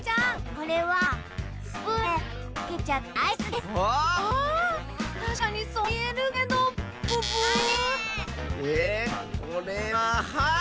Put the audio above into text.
これははい！